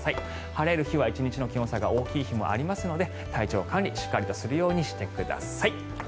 晴れる日は１日の気温差が大きい日もありますので体調管理、しっかりとするようにしてください。